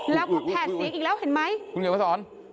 แล้วก็แผ่เสียงอีกแล้วเห็นไหมคุณเขียนมาสอน